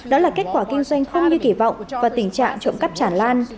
đó là kết quả kinh doanh không như kỳ vọng và tình trạng trộm cắp chản lan